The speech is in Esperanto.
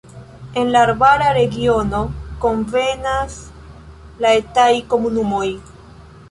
En la arbara regiono konvenas la etaj komunumoj.